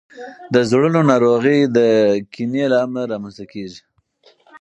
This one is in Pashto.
د زړونو ناروغۍ د کینې له امله رامنځته کیږي.